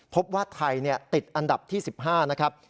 พบว่าไทยติดอันดับที่๑๕นะครับ